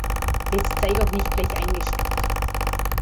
Jetzt sei doch nicht gleich eingeschnappt.